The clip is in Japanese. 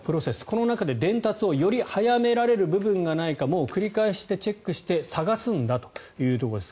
この中で伝達をより早められる部分がないか繰り返してチェックして探すんだというところです。